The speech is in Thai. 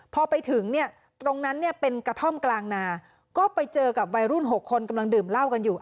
พอไปถึงเนี่ยตรงนั้นเนี่ยเป็นกระท่อมกลางนาก็ไปเจอกับวัยรุ่น๖คนกำลังดื่มเหล้ากันอยู่